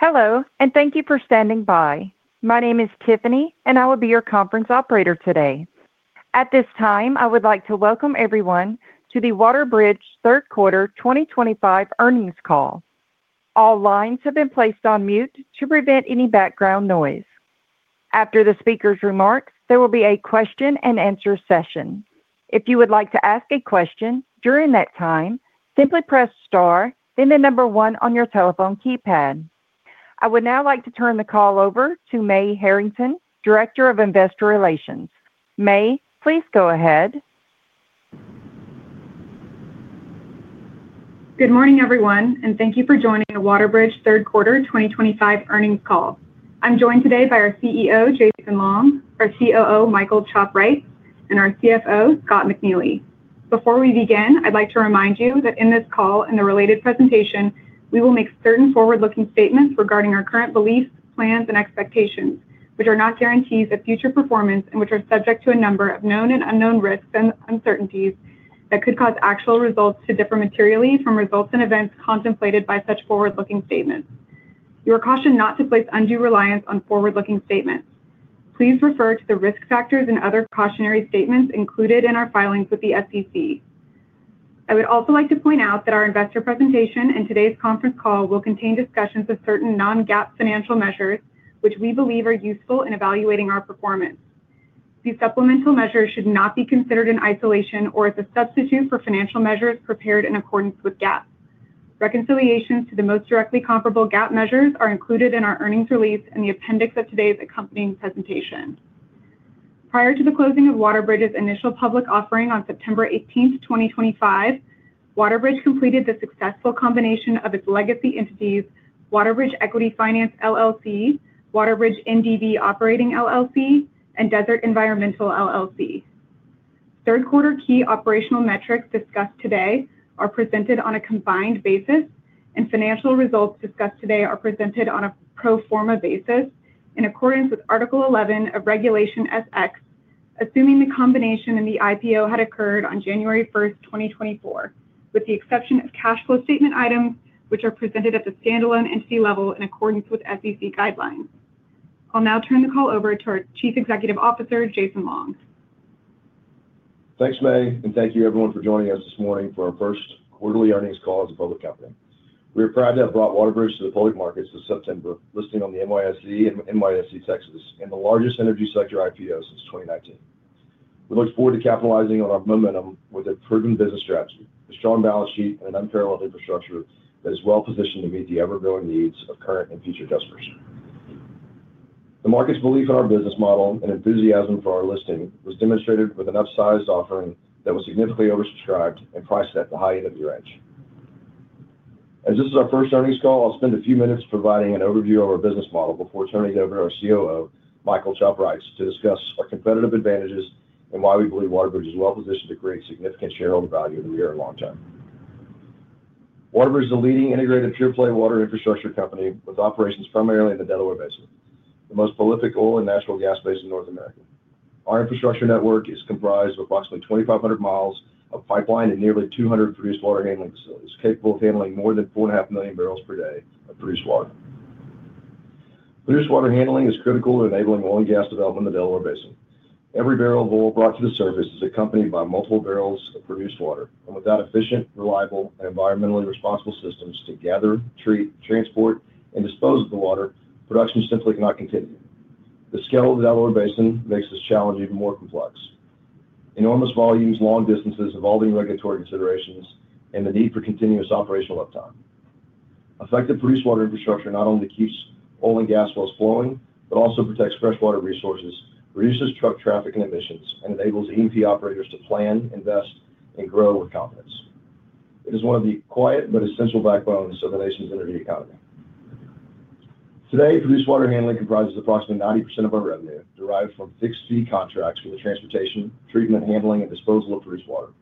Hello, and thank you for standing by. My name is Tiffany, and I will be your conference operator today. At this time, I would like to welcome everyone to the WaterBridge Third Quarter 2025 Earnings Call. All lines have been placed on mute to prevent any background noise. After the speaker's remarks, there will be a question-and-answer session. If you would like to ask a question during that time, simply press star, then the number one on your telephone keypad. I would now like to turn the call over to Mae Harrington, Director of Investor Relations. Mae, please go ahead. Good morning, everyone, and thank you for joining the WaterBridge Third Quarter 2025 earnings call. I'm joined today by our CEO, Jason Long, our COO, Michael Chop Reitz and our CFO, Scott McNeely. Before we begin, I'd like to remind you that in this call and the related presentation, we will make certain forward-looking statements regarding our current beliefs, plans, and expectations, which are not guarantees of future performance and which are subject to a number of known and unknown risks and uncertainties that could cause actual results to differ materially from results and events contemplated by such forward-looking statements. You are cautioned not to place undue reliance on forward-looking statements. Please refer to the risk factors and other cautionary statements included in our filings with the SEC. I would also like to point out that our investor presentation and today's conference call will contain discussions of certain non-GAAP financial measures, which we believe are useful in evaluating our performance. These supplemental measures should not be considered in isolation or as a substitute for financial measures prepared in accordance with GAAP. Reconciliations to the most directly comparable GAAP measures are included in our earnings release and the appendix of today's accompanying presentation. Prior to the closing of WaterBridge's initial public offering on September 18th, 2025, WaterBridge completed the successful combination of its legacy entities, WaterBridge Equity Finance, WaterBridge NDV Operating, and Desert Environmental. Third quarter key operational metrics discussed today are presented on a combined basis, and financial results discussed today are presented on a pro forma basis in accordance with Article 11 of Regulation S-X, assuming the combination and the IPO had occurred on January 1st, 2024, with the exception of cash flow statement items, which are presented at the standalone entity level in accordance with SEC guidelines. I'll now turn the call over to our Chief Executive Officer, Jason Long. Thanks, Mae, and thank you, everyone, for joining us this morning for our first quarterly earnings call as a public company. We are proud to have brought WaterBridge to the public markets this September, listing on the NYSE and NYSE Texas, and the largest energy sector IPO since 2019. We look forward to capitalizing on our momentum with a proven business strategy, a strong balance sheet, and an unparalleled infrastructure that is well-positioned to meet the ever-growing needs of current and future customers. The market's belief in our business model and enthusiasm for our listing was demonstrated with an upsized offering that was significantly oversubscribed and priced at the high end of the range. As this is our first earnings call, I'll spend a few minutes providing an overview of our business model before turning it over to our COO, Michael Chop Reitz, to discuss our competitive advantages and why we believe WaterBridge is well-positioned to create significant shareholder value in the near and long term. WaterBridge is a leading integrated pure-play water infrastructure company with operations primarily in the Delaware Basin, the most prolific oil and natural gas base in North America. Our infrastructure network is comprised of approximately 2,500 mi of pipeline and nearly 200 produced water handling facilities capable of handling more than 4.5 MMbpd of produced water. Produced water handling is critical to enabling oil and gas development in the Delaware Basin. Every barrel of oil brought to the surface is accompanied by multiple barrels of produced water, and without efficient, reliable, and environmentally responsible systems to gather, treat, transport, and dispose of the water, production simply cannot continue. The scale of the Delaware Basin makes this challenge even more complex: enormous volumes, long distances, evolving regulatory considerations, and the need for continuous operational uptime. Effective produced water infrastructure not only keeps oil and gas flows flowing but also protects freshwater resources, reduces truck traffic and emissions, and enables E&P operators to plan, invest, and grow with confidence. It is one of the quiet but essential backbones of the nation's energy economy. Today, produced water handling comprises approximately 90% of our revenue derived from fixed-fee contracts for the transportation, treatment, handling, and disposal of produced water.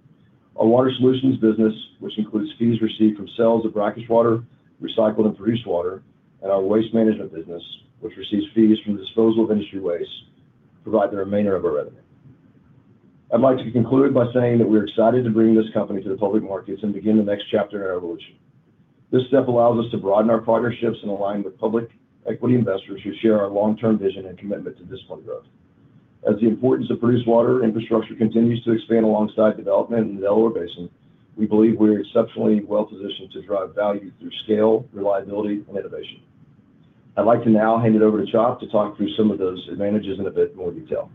Our water solutions business, which includes fees received from sales of brackish water, recycled, and produced water, and our waste management business, which receives fees from the disposal of industry waste, provide the remainder of our revenue. I'd like to conclude by saying that we are excited to bring this company to the public markets and begin the next chapter in our evolution. This step allows us to broaden our partnerships and align with public equity investors who share our long-term vision and commitment to discipline growth. As the importance of produced water infrastructure continues to expand alongside development in the Delaware Basin, we believe we are exceptionally well-positioned to drive value through scale, reliability, and innovation. I'd like to now hand it over to Chop to talk through some of those advantages in a bit more detail.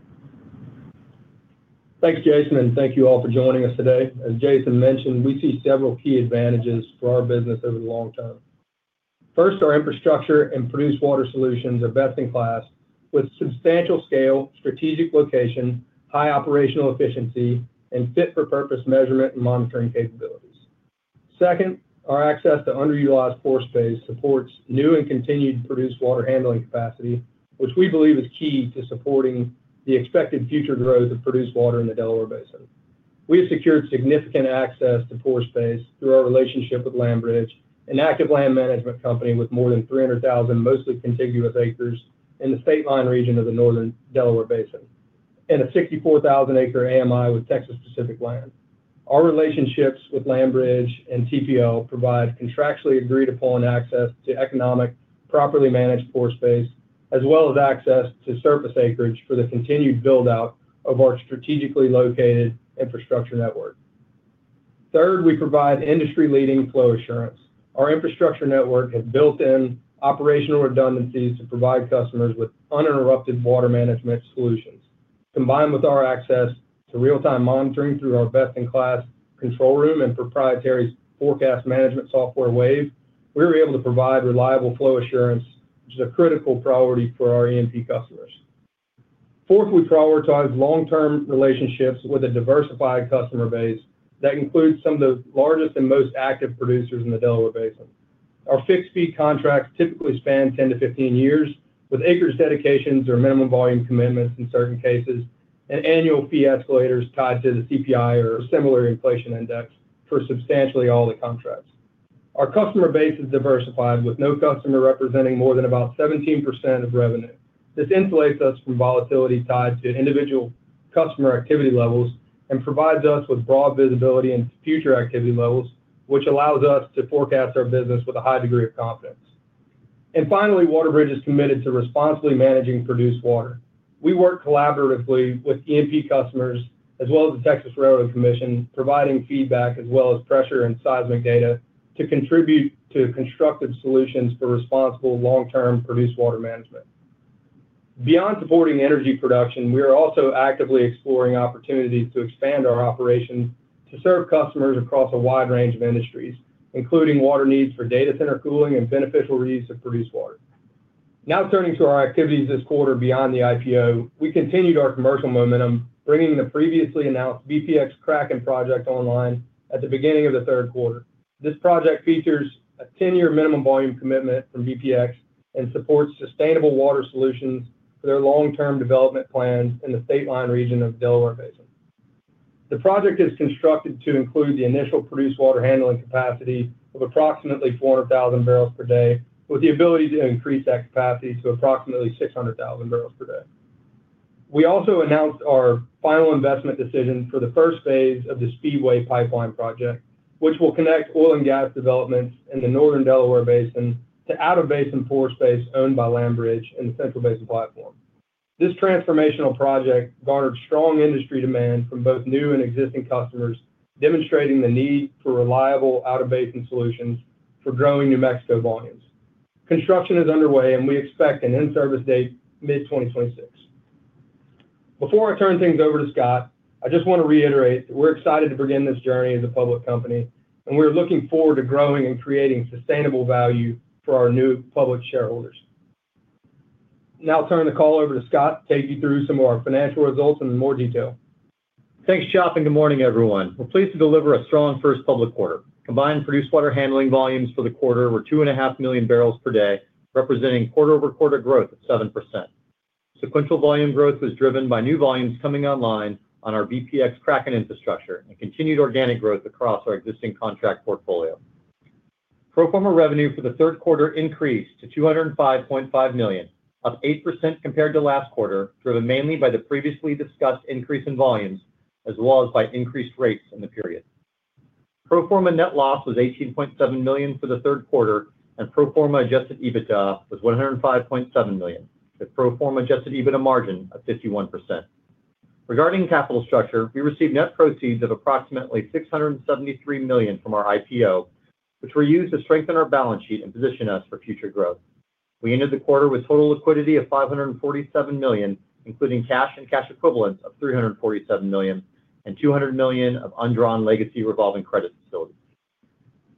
Thanks, Jason, and thank you all for joining us today. As Jason mentioned, we see several key advantages for our business over the long term. First, our infrastructure and produced water solutions are best in class with substantial scale, strategic location, high operational efficiency, and fit-for-purpose measurement and monitoring capabilities. Second, our access to underutilized pore space supports new and continued produced water handling capacity, which we believe is key to supporting the expected future growth of produced water in the Delaware Basin. We have secured significant access to pore space through our relationship with LandBridge, an active land management company with more than 300,000 mostly contiguous acres in the state line region of the northern Delaware Basin, and a 64,000 acre AMI with Texas Pacific Land. Our relationships with LandBridge and Texas Pacific Land provide contractually agreed-upon access to economic, properly managed pore space, as well as access to surface acreage for the continued build-out of our strategically located infrastructure network. Third, we provide industry-leading flow assurance. Our infrastructure network has built-in operational redundancies to provide customers with uninterrupted water management solutions. Combined with our access to real-time monitoring through our best-in-class control room and proprietary forecast management software, Wave, we are able to provide reliable flow assurance, which is a critical priority for our E&P operators. Fourth, we prioritize long-term relationships with a diversified customer base that includes some of the largest and most active producers in the Delaware Basin. Our fixed-fee contracts typically span 10-15 years, with acreage dedications or minimum volume commitments in certain cases, and annual fee escalators tied to the CPI or similar inflation index for substantially all the contracts. Our customer base is diversified, with no customer representing more than about 17% of revenue. This insulates us from volatility tied to individual customer activity levels and provides us with broad visibility into future activity levels, which allows us to forecast our business with a high degree of confidence. Finally, WaterBridge is committed to responsibly managing produced water. We work collaboratively with E&P operators as well as the Texas Railroad Commission, providing feedback as well as pressure and seismic data to contribute to constructive solutions for responsible, long-term produced water management. Beyond supporting energy production, we are also actively exploring opportunities to expand our operations to serve customers across a wide range of industries, including water needs for data center cooling and beneficial reuse of produced water. Now turning to our activities this quarter beyond the IPO, we continued our commercial momentum, bringing the previously announced BPX Kraken project online at the beginning of the third quarter. This project features a 10 year minimum volume commitment from BPX and supports sustainable water solutions for their long-term development plans in the state line region of the Delaware Basin. The project is constructed to include the initial produced water handling capacity of approximately 400,000 bbl per day, with the ability to increase that capacity to approximately 600,000 bbl per day. We also announced our final investment decision for the 1st phase of the Speedway Pipeline project, which will connect oil and gas developments in the northern Delaware Basin to out-of-basin pore space owned by LandBridge in the Central Basin Platform. This transformational project garnered strong industry demand from both new and existing customers, demonstrating the need for reliable out-of-Basin solutions for growing New Mexico volumes. Construction is underway, and we expect an in-service date mid 2026. Before I turn things over to Scott, I just want to reiterate that we're excited to begin this journey as a public company, and we are looking forward to growing and creating sustainable value for our new public shareholders. Now I'll turn the call over to Scott to take you through some of our financial results in more detail. Thanks, Chop, and good morning, everyone. We're pleased to deliver a strong first public quarter. Combined produced water handling volumes for the quarter were 2.5 million bbl per day, representing quarter-over-quarter growth of 7%. Sequential volume growth was driven by new volumes coming online on our BPX Kraken infrastructure and continued organic growth across our existing contract portfolio. Pro forma revenue for the third quarter increased to $205.5 million, up 8% compared to last quarter, driven mainly by the previously discussed increase in volumes as well as by increased rates in the period. Pro forma net loss was $18.7 million for the third quarter, and pro forma adjusted EBITDA was $105.7 million, with pro forma adjusted EBITDA margin of 51%. Regarding capital structure, we received net proceeds of approximately $673 million from our IPO, which were used to strengthen our balance sheet and position us for future growth. We ended the quarter with total liquidity of $547 million, including cash and cash equivalents of $347 million, and $200 million of undrawn legacy revolving credit facilities.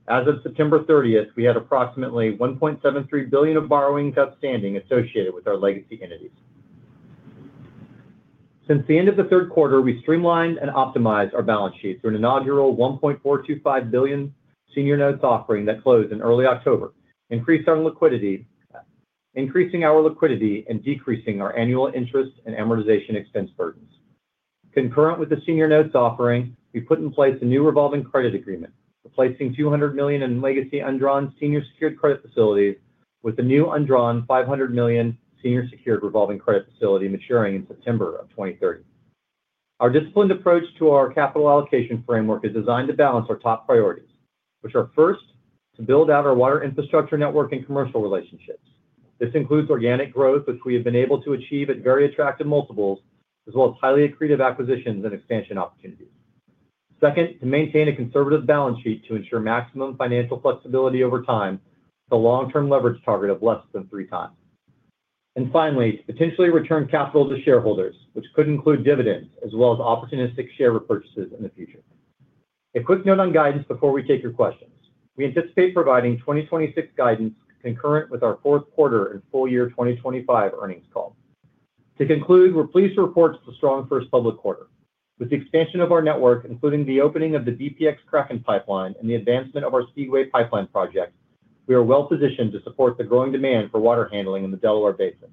As of September 30th, we had approximately $1.73 billion of borrowings outstanding associated with our legacy entities. Since the end of the third quarter, we streamlined and optimized our balance sheet through an inaugural $1.425 billion senior notes offering that closed in early October, increasing our liquidity and decreasing our annual interest and amortization expense burdens. Concurrent with the senior notes offering, we put in place a new revolving credit agreement, replacing $200 million in legacy undrawn senior secured credit facilities with a new undrawn $500 million senior secured revolving credit facility maturing in September of 2030. Our disciplined approach to our capital allocation framework is designed to balance our top priorities, which are first, to build out our water infrastructure network and commercial relationships. This includes organic growth, which we have been able to achieve at very attractive multiples, as well as highly accretive acquisitions and expansion opportunities. Second, to maintain a conservative balance sheet to ensure maximum financial flexibility over time with a long-term leverage target of less than three times. Finally, to potentially return capital to shareholders, which could include dividends as well as opportunistic share repurchases in the future. A quick note on guidance before we take your questions. We anticipate providing 2026 guidance concurrent with our fourth quarter and full year 2025 earnings call. To conclude, we're pleased to report the strong first public quarter. With the expansion of our network, including the opening of the BPX Kraken pipeline and the advancement of our Speedway Pipeline project, we are well-positioned to support the growing demand for water handling in the Delaware Basin.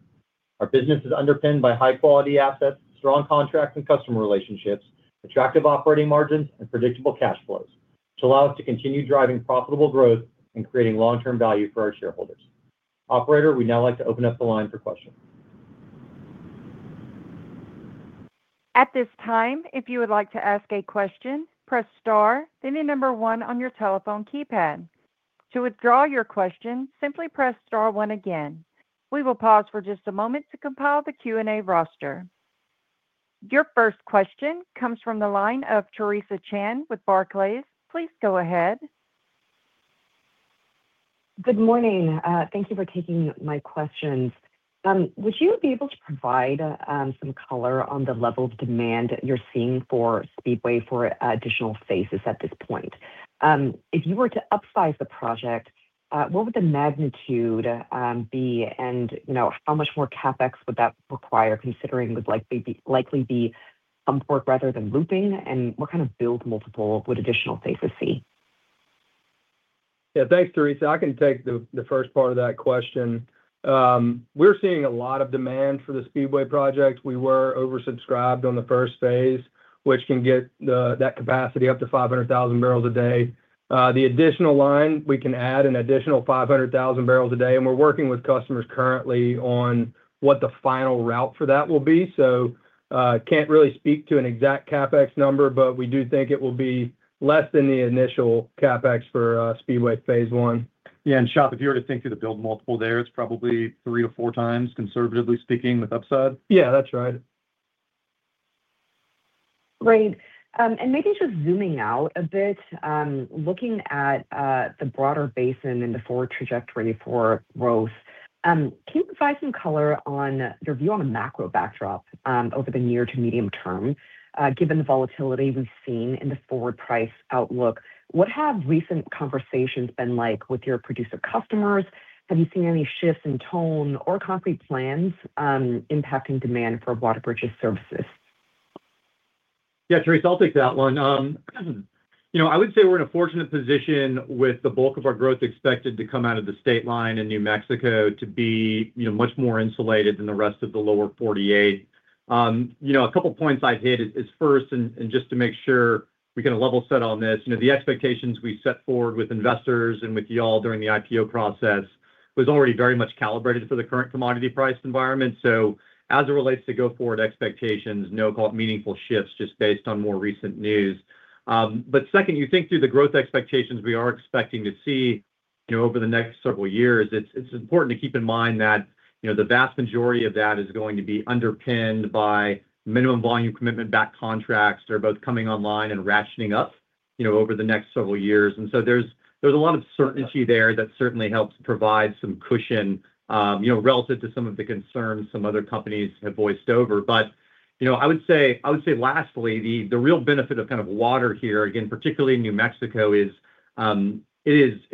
Our business is underpinned by high-quality assets, strong contracts and customer relationships, attractive operating margins, and predictable cash flows, which allow us to continue driving profitable growth and creating long-term value for our shareholders. Operator, we'd now like to open up the line for questions. At this time, if you would like to ask a question, press star, then the number one on your telephone keypad. To withdraw your question, simply press star one again. We will pause for just a moment to compile the Q&A roster. Your first question comes from the line of Teresa Chan with Barclays. Please go ahead. Good morning. Thank you for taking my questions. Would you be able to provide some color on the level of demand that you're seeing for Speedway for additional phases at this point? If you were to upsize the project, what would the magnitude be and how much more CapEx would that require, considering it would likely be pump work rather than looping, and what kind of build multiple would additional phases see? Yeah, thanks, Teresa. I can take the first part of that question. We're seeing a lot of demand for the Speedway Pipeline project. We were oversubscribed on the first phase, which can get that capacity up to 500,000 bbl a day. The additional line, we can add an additional 500,000 bbl a day, and we're working with customers currently on what the final route for that will be. I can't really speak to an exact CapEx number, but we do think it will be less than the initial CapEx for Speedway phase one. Yeah, and Chop, if you were to think through the build multiple there, it's probably three to four times, conservatively speaking, with upside? Yeah, that's right. Great. Maybe just zooming out a bit, looking at the broader basin and the forward trajectory for growth, can you provide some color on your view on a macro backdrop over the near to medium term, given the volatility we've seen in the forward price outlook? What have recent conversations been like with your producer customers? Have you seen any shifts in tone or concrete plans impacting demand for water purchase services? Yeah, Teresa, I'll take that one. I would say we're in a fortunate position with the bulk of our growth expected to come out of the state line in New Mexico to be much more insulated than the rest of the lower 48. A couple of points I'd hit is first, and just to make sure we can level set on this, the expectations we set forward with investors and with y'all during the IPO process was already very much calibrated for the current commodity price environment. As it relates to go-forward expectations, no meaningful shifts just based on more recent news. Second, you think through the growth expectations we are expecting to see over the next several years, it's important to keep in mind that the vast majority of that is going to be underpinned by minimum volume commitment back contracts that are both coming online and ratcheting up over the next several years. There is a lot of certainty there that certainly helps provide some cushion relative to some of the concerns some other companies have voiced over. I would say lastly, the real benefit of kind of water here, again, particularly in New Mexico, is it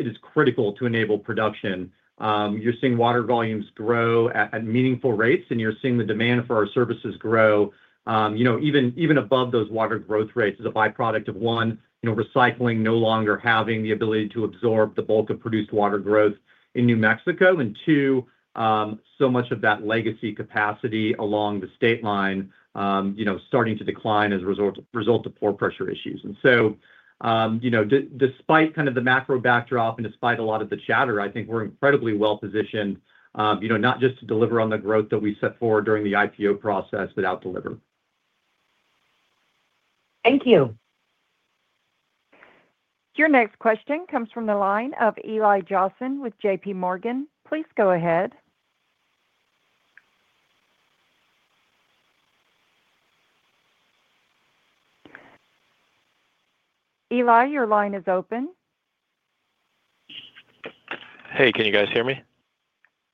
is critical to enable production. You're seeing water volumes grow at meaningful rates, and you're seeing the demand for our services grow even above those water growth rates as a byproduct of, one, recycling no longer having the ability to absorb the bulk of produced water growth in New Mexico, and two, so much of that legacy capacity along the state line starting to decline as a result of poor pressure issues. Despite kind of the macro backdrop and despite a lot of the chatter, I think we're incredibly well-positioned not just to deliver on the growth that we set forward during the IPO process, but outdeliver. Thank you. Your next question comes from the line of Eli Jossen with JPMorgan. Please go ahead. Eli, your line is open. Hey, can you guys hear me?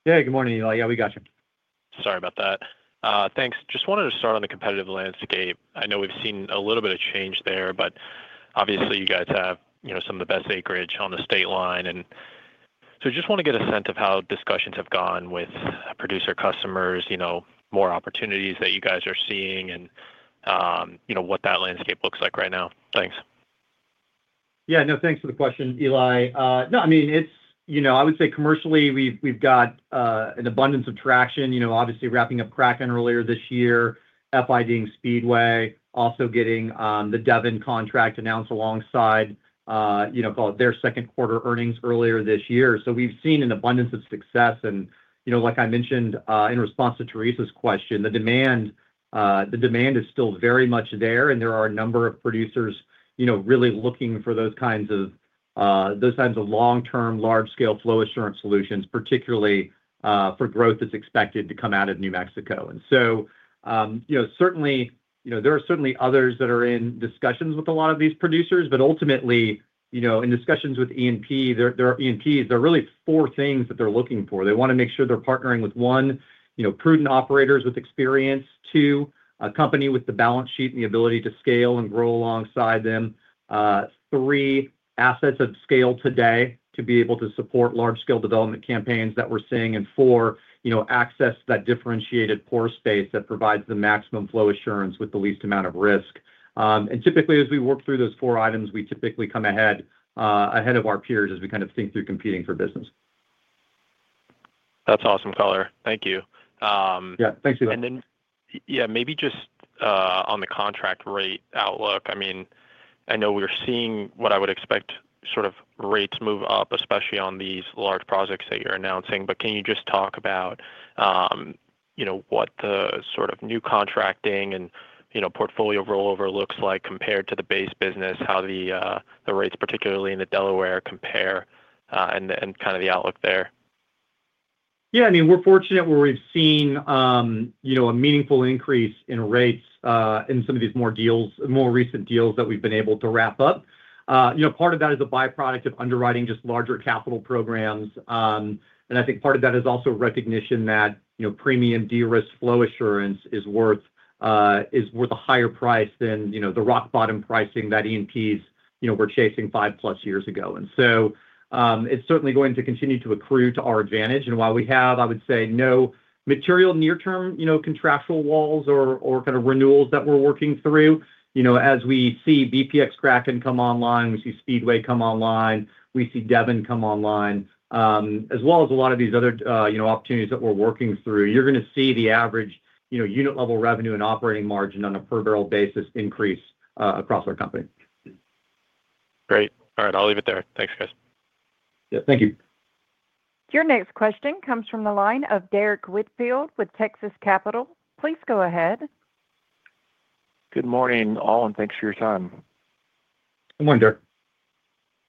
Yeah, good morning, Eli. Yeah, we got you. Sorry about that. Thanks. Just wanted to start on the competitive landscape. I know we've seen a little bit of change there, but obviously, you guys have some of the best acreage on the state line. Just want to get a sense of how discussions have gone with producer customers, more opportunities that you guys are seeing, and what that landscape looks like right now. Thanks. Yeah, no, thanks for the question, Eli. No, I mean, I would say commercially, we've got an abundance of traction. Obviously, wrapping up Kraken earlier this year, FID-ing Speedway, also getting the Devon contract announced alongside their second quarter earnings earlier this year. We have seen an abundance of success. Like I mentioned in response to Teresa's question, the demand is still very much there, and there are a number of producers really looking for those kinds of long-term, large-scale flow assurance solutions, particularly for growth that's expected to come out of New Mexico. Certainly, there are others that are in discussions with a lot of these producers, but ultimately, in discussions with E&P operators, there are really four things that they're looking for. They want to make sure they're partnering with, one, prudent operators with experience, two, a company with the balance sheet and the ability to scale and grow alongside them, three, assets of scale today to be able to support large-scale development campaigns that we're seeing, and four, access that differentiated pore space that provides the maximum flow assurance with the least amount of risk. Typically, as we work through those four items, we typically come ahead of our peers as we kind of think through competing for business. That's awesome color. Thank you. Yeah, thanks, Eli. Yeah, maybe just on the contract rate outlook, I mean, I know we're seeing what I would expect sort of rates move up, especially on these large projects that you're announcing. Can you just talk about what the sort of new contracting and portfolio rollover looks like compared to the base business, how the rates, particularly in the Delaware, compare and kind of the outlook there? Yeah, I mean, we're fortunate where we've seen a meaningful increase in rates in some of these more recent deals that we've been able to wrap up. Part of that is a byproduct of underwriting just larger capital programs. I think part of that is also recognition that premium de-risk flow assurance is worth a higher price than the rock bottom pricing that E&P operators were chasing five-plus years ago. It is certainly going to continue to accrue to our advantage. While we have, I would say, no material near-term contractual walls or kind of renewals that we're working through, as we see BPX Kraken come online, we see Speedway come online, we see Devon come online, as well as a lot of these other opportunities that we're working through, you're going to see the average unit-level revenue and operating margin on a per-barrel basis increase across our company. Great. All right, I'll leave it there. Thanks, guys. Yeah, thank you. Your next question comes from the line of Derrick Whitfield with Texas Capital. Please go ahead. Good morning, all, and thanks for your time. Good morning, Derrick.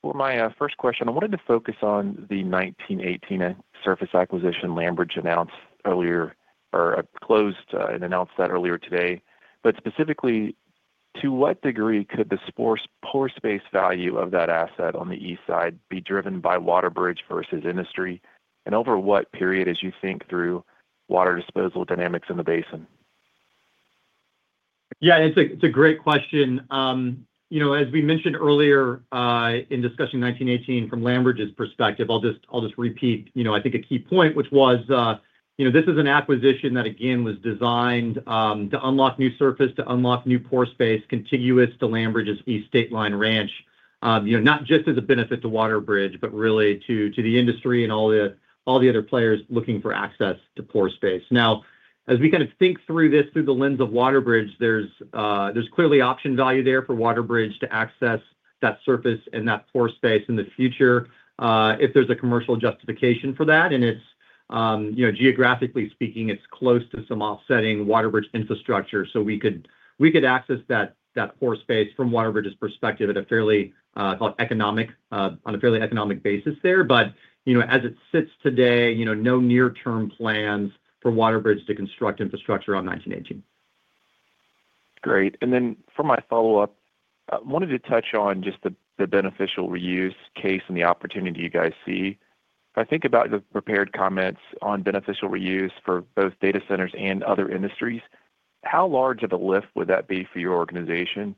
For my first question, I wanted to focus on the 1918 surface acquisition LandBridge announced earlier or closed and announced that earlier today. Specifically, to what degree could the pore space value of that asset on the east side be driven by WaterBridge versus industry? Over what period as you think through water disposal dynamics in the basin? Yeah, it's a great question. As we mentioned earlier in discussing 1918 from LandBridge's perspective, I'll just repeat, I think, a key point, which was this is an acquisition that, again, was designed to unlock new surface, to unlock new pore space contiguous to LandBridge's east state line ranch, not just as a benefit to WaterBridge, but really to the industry and all the other players looking for access to pore space. Now, as we kind of think through this through the lens of WaterBridge, there's clearly option value there for WaterBridge to access that surface and that pore space in the future if there's a commercial justification for that. Geographically speaking, it's close to some offsetting WaterBridge infrastructure, so we could access that pore space from WaterBridge's perspective at a fairly economic on a fairly economic basis there. As it sits today, no near-term plans for WaterBridge to construct infrastructure on 1918. Great. For my follow-up, I wanted to touch on just the beneficial reuse case and the opportunity you guys see. If I think about the prepared comments on beneficial reuse for both data centers and other industries, how large of a lift would that be for your organization?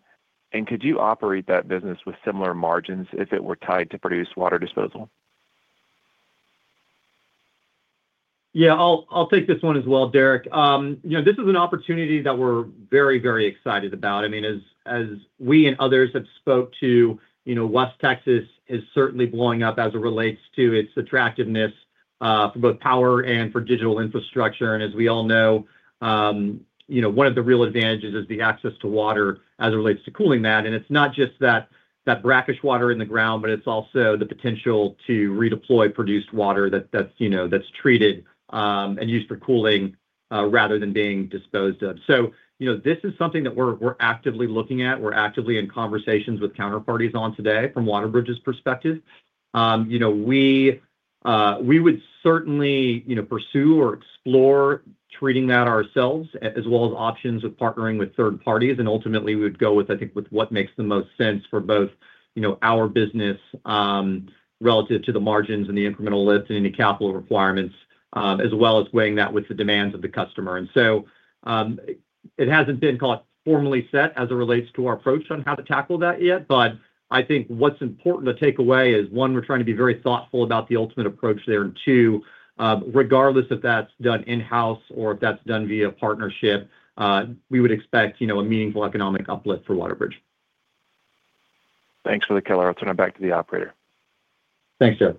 Could you operate that business with similar margins if it were tied to produced water disposal? Yeah, I'll take this one as well, Derrick. This is an opportunity that we're very, very excited about. I mean, as we and others have spoke to, West Texas is certainly blowing up as it relates to its attractiveness for both power and for digital infrastructure. As we all know, one of the real advantages is the access to water as it relates to cooling that. It's not just that brackish water in the ground, but it's also the potential to redeploy produced water that's treated and used for cooling rather than being disposed of. This is something that we're actively looking at. We're actively in conversations with counterparties on today from WaterBridge's perspective. We would certainly pursue or explore treating that ourselves as well as options of partnering with third parties. Ultimately, we would go with, I think, with what makes the most sense for both our business relative to the margins and the incremental lift and any capital requirements, as well as weighing that with the demands of the customer. It has not been formally set as it relates to our approach on how to tackle that yet, but I think what is important to take away is, one, we are trying to be very thoughtful about the ultimate approach there, and two, regardless if that is done in-house or if that is done via partnership, we would expect a meaningful economic uplift for WaterBridge. Thanks for the question. I'll turn it back to the operator. Thanks, sir.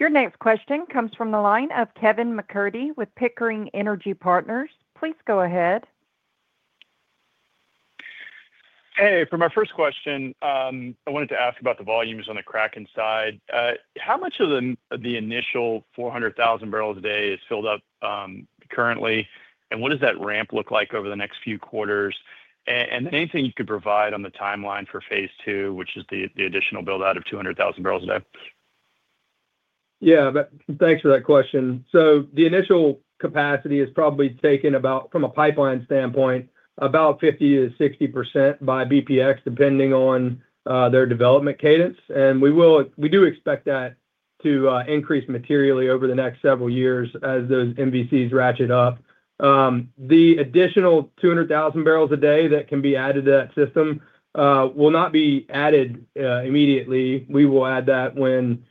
Your next question comes from the line of Kevin McCurdy with Pickering Energy Partners. Please go ahead. Hey, for my first question, I wanted to ask about the volumes on the Kraken side. How much of the initial 400,000 bbl a day is filled up currently, and what does that ramp look like over the next few quarters? Anything you could provide on the timeline for phase two, which is the additional build-out of 200,000 bbl a day? Yeah, thanks for that question. The initial capacity is probably taken from a pipeline standpoint, about 50%-60% by BPX, depending on their development cadence. We do expect that to increase materially over the next several years as those MVCs ratchet up. The additional 200,000 bbl a day that can be added to that system will not be added immediately. We will add that when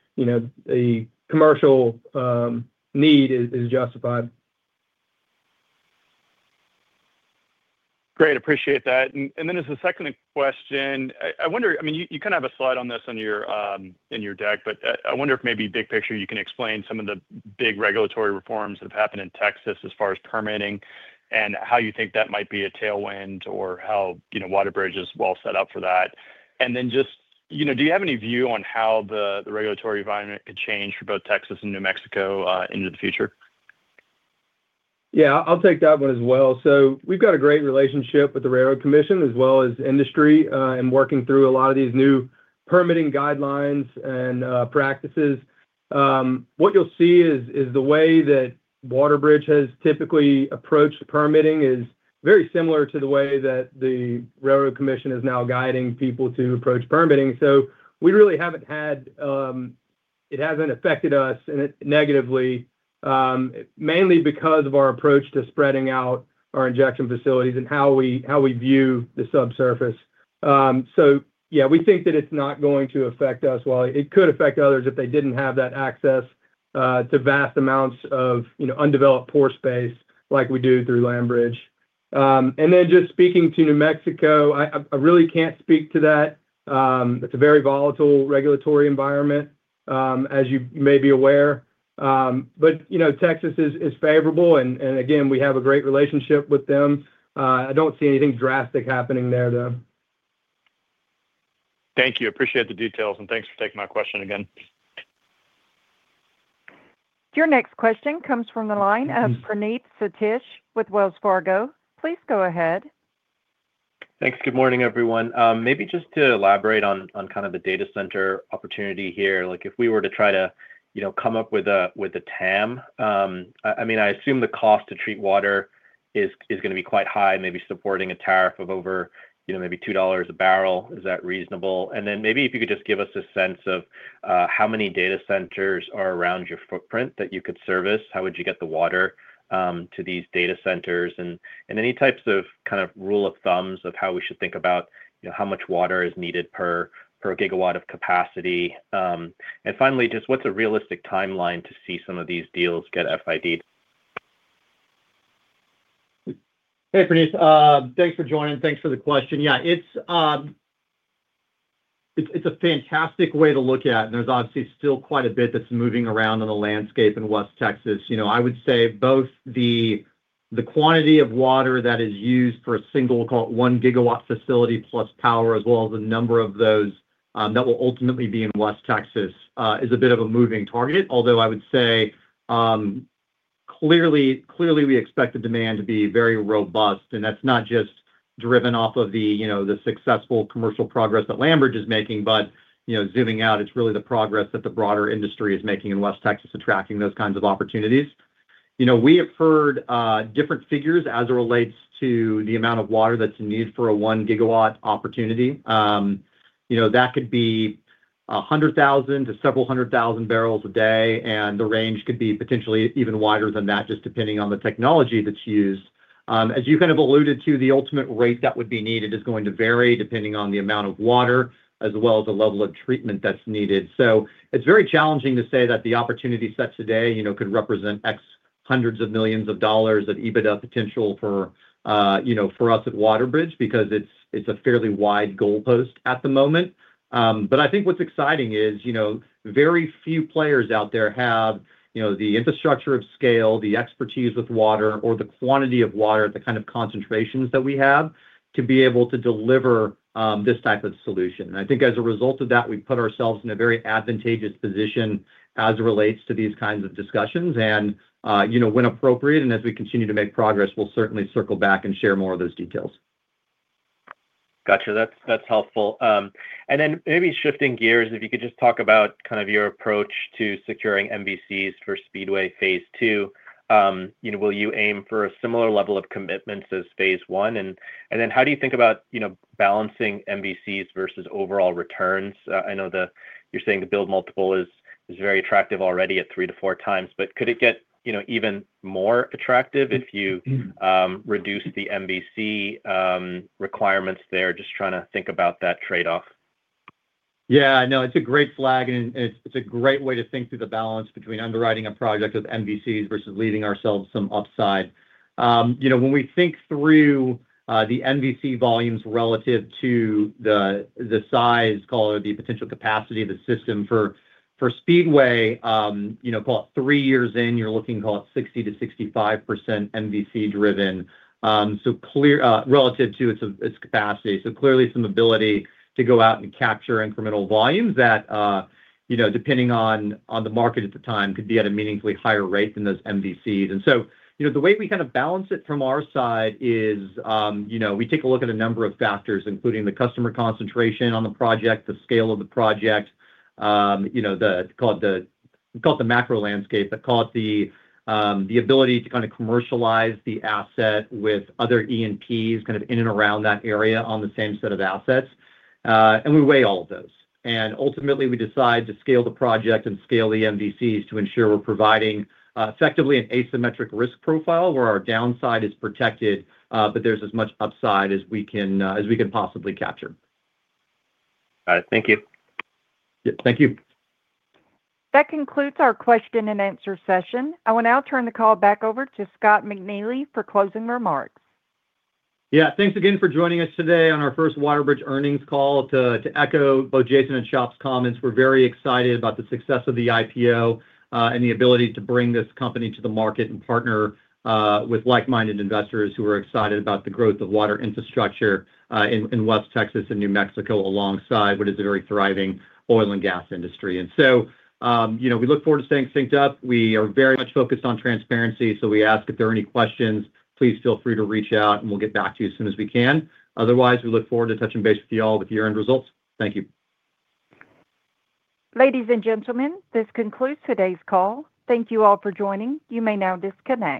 the commercial need is justified. Great. Appreciate that. As a second question, I wonder, I mean, you kind of have a slide on this in your deck, but I wonder if maybe big picture, you can explain some of the big regulatory reforms that have happened in Texas as far as permitting and how you think that might be a tailwind or how WaterBridge is well set up for that. Just do you have any view on how the regulatory environment could change for both Texas and New Mexico into the future? Yeah, I'll take that one as well. We've got a great relationship with the Railroad Commission as well as industry and working through a lot of these new permitting guidelines and practices. What you'll see is the way that WaterBridge has typically approached permitting is very similar to the way that the Railroad Commission is now guiding people to approach permitting. We really haven't had it affect us negatively, mainly because of our approach to spreading out our injection facilities and how we view the subsurface. Yeah, we think that it's not going to affect us. It could affect others if they didn't have that access to vast amounts of undeveloped pore space like we do through LandBridge. Just speaking to New Mexico, I really can't speak to that. It's a very volatile regulatory environment, as you may be aware. Texas is favorable, and again, we have a great relationship with them. I don't see anything drastic happening there, though. Thank you. Appreciate the details, and thanks for taking my question again. Your next question comes from the line of Praneeth Satish with Wells Fargo. Please go ahead. Thanks. Good morning, everyone. Maybe just to elaborate on kind of the data center opportunity here, if we were to try to come up with a TAM, I mean, I assume the cost to treat water is going to be quite high, maybe supporting a tariff of over maybe $2 a barrel. Is that reasonable? Maybe if you could just give us a sense of how many data centers are around your footprint that you could service, how would you get the water to these data centers, and any types of kind of rule of thumbs of how we should think about how much water is needed per gigawatt of capacity? Finally, just what's a realistic timeline to see some of these deals get FIDed? Hey, Praneeth. Thanks for joining. Thanks for the question. Yeah, it's a fantastic way to look at it. There's obviously still quite a bit that's moving around on the landscape in West Texas. I would say both the quantity of water that is used for a single, we'll call it 1 GW facility plus power, as well as the number of those that will ultimately be in West Texas is a bit of a moving target, although I would say clearly we expect the demand to be very robust. That's not just driven off of the successful commercial progress that LandBridge is making, but zooming out, it's really the progress that the broader industry is making in West Texas attracting those kinds of opportunities. We have heard different figures as it relates to the amount of water that's needed for a 1 GW opportunity. That could be 100,000 bbl to several hundred thousand barrels a day, and the range could be potentially even wider than that, just depending on the technology that's used. As you kind of alluded to, the ultimate rate that would be needed is going to vary depending on the amount of water as well as the level of treatment that's needed. It's very challenging to say that the opportunity set today could represent X hundreds of millions of dollars of EBITDA potential for us at WaterBridge because it's a fairly wide goalpost at the moment. I think what's exciting is very few players out there have the infrastructure of scale, the expertise with water, or the quantity of water, the kind of concentrations that we have to be able to deliver this type of solution. I think as a result of that, we put ourselves in a very advantageous position as it relates to these kinds of discussions. When appropriate, and as we continue to make progress, we'll certainly circle back and share more of those details. Gotcha. That's helpful. Maybe shifting gears, if you could just talk about kind of your approach to securing MVCs for Speedway phase II. Will you aim for a similar level of commitments as phase I? How do you think about balancing MVCs versus overall returns? I know you're saying the build multiple is very attractive already at three to four times, but could it get even more attractive if you reduce the MVC requirements there? Just trying to think about that trade-off. Yeah, no, it's a great flag, and it's a great way to think through the balance between underwriting a project with MVCs versus leaving ourselves some upside. When we think through the MVC volumes relative to the size, call it the potential capacity of the system for Speedway, call it three years in, you're looking, call it 60%-65% MVC-driven relative to its capacity. Clearly, some ability to go out and capture incremental volumes that, depending on the market at the time, could be at a meaningfully higher rate than those MVCs. The way we kind of balance it from our side is we take a look at a number of factors, including the customer concentration on the project, the scale of the project, the, call it, the macro landscape, but, call it, the ability to kind of commercialize the asset with other E&Ps kind of in and around that area on the same set of assets. We weigh all of those. Ultimately, we decide to scale the project and scale the MVCs to ensure we're providing effectively an asymmetric risk profile where our downside is protected, but there's as much upside as we can possibly capture. Got it. Thank you. Yeah, thank you. That concludes our question and answer session. I will now turn the call back over to Scott McNeely for closing remarks. Yeah, thanks again for joining us today on our first WaterBridge earnings call. To echo both Jason and Chop's comments, we're very excited about the success of the IPO and the ability to bring this company to the market and partner with like-minded investors who are excited about the growth of water infrastructure in West Texas and New Mexico alongside what is a very thriving oil and gas industry. We look forward to staying synced up. We are very much focused on transparency, so we ask if there are any questions, please feel free to reach out, and we'll get back to you as soon as we can. Otherwise, we look forward to touching base with you all with year end results. Thank you. Ladies and gentlemen, this concludes today's call. Thank you all for joining. You may now disconnect.